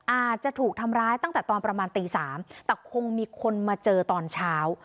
อาจจะถูกทำร้ายตั้งแต่ตอนประมาณตี๓แต่คงมีคนมาเจอตอนเช้า